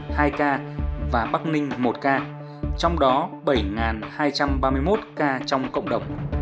tùm hai ca hà tĩnh hai ca ninh bình hai ca bắc ninh một ca trong đó bảy hai trăm ba mươi một ca trong cộng đồng